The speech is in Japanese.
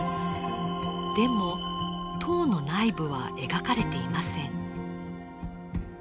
でも塔の内部は描かれていません。